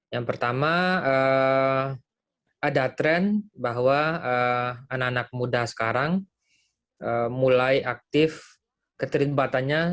yang pertama ada tren bahwa anak anak muda sekarang mulai aktif keterlibatannya